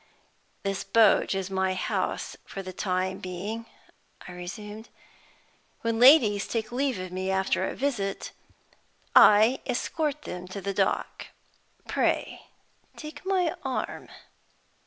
"This boat is my house for the time being," I resumed. "When ladies take leave of me after a visit, I escort them to the dock. Pray take my arm."